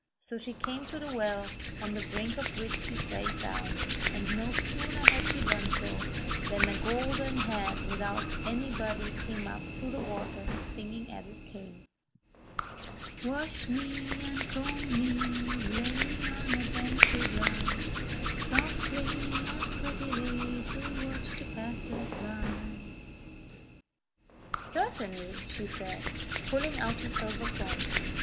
So she came to the well, on the brink of which she sate down, and no sooner had she done so, than a golden head without any body came up through the water, singing as it came : "Wash me, and comb me, lay me on a bank to dry Softly and prettily to watch the passers by." "Certainly," she said, pulling out her silver comb.